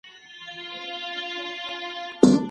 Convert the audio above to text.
ستاسو سیاستونه باید د ستونزو د حل لپاره مؤثر وي.